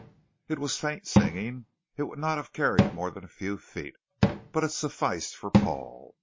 It was faint singing; it would not have carried more than a few feet, but it sufficed for Paul.